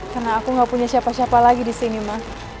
karena aku gak punya siapa siapa lagi disini ma